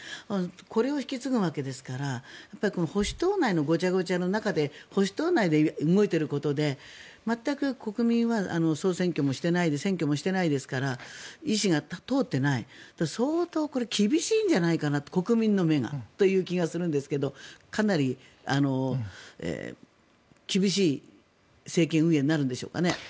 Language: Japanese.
これを引き継ぐわけですから保守党内のごちゃごちゃの中で保守党内で動いていることで全く国民は総選挙もしてないですから意思が通っていない相当厳しいんじゃないかと国民の目がという気がするんですがかなり厳しい政権運営になるんでしょうかね。